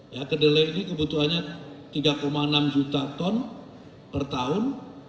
ya kedelai ini kebutuhannya tiga enam juta ton per tahun